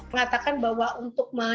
pertanyaan dari prof mbak mbak mbak